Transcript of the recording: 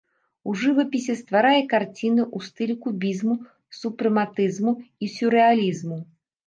У жывапісе стварае карціны ў стылі кубізму, супрэматызму і сюррэалізму.